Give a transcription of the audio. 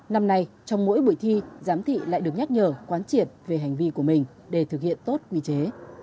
năm nay trong mỗi buổi thi giám thị lại được nhắc nhở quán triệt về hành vi của mình để thực hiện tốt quy chế